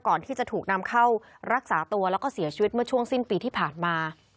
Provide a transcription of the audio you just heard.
ก่อนที่จะถูกนำเข้ารักษาตัวแล้วก็เสียชีวิตเมื่อช่วงสิ้นปีที่ผ่านมา